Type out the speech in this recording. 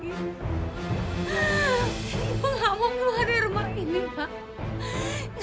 ibu gak mau keluar dari rumah ini pak